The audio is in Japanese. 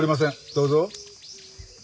どうぞ。